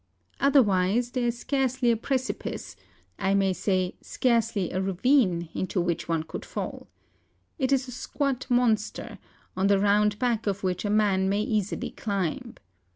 Otherwise, there is scarcely a precipice, I may say scarcely a ravine, into which one could fall. It is a squat monster, on the round back of which a man may easily climb.